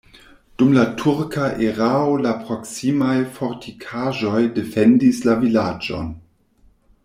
Dum la turka erao la proksimaj fortikaĵoj defendis la vilaĝon.